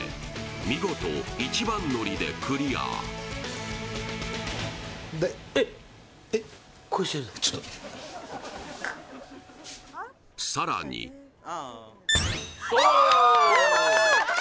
見事一番乗りでクリアさらにああ！